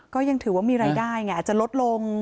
ก็ยังถือว่ามีรายได้ไงอาจจะลดลง